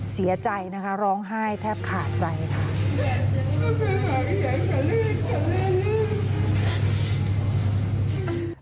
เสียใจนะคะร้องไห้แทบขาดใจค่ะ